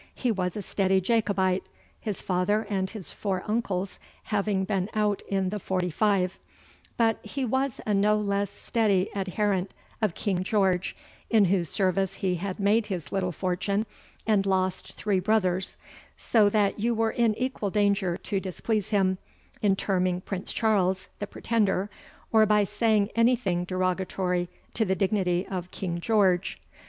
He was a steady jacobite, his father and his four uncles having been out in the forty five; but he was a no less steady adherent of King George, in whose service he had made his little fortune, and lost three brothers; so that you were in equal danger to displease him, in terming Prince Charles, the Pretender, or by saying anything derogatory to the dignity of King George.